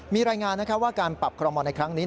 มีรายงานว่าการปรับคอรมอลในครั้งนี้